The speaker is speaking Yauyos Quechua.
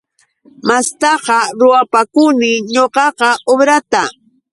Mastaqa ruwapakuni ñuqaqa ubrata.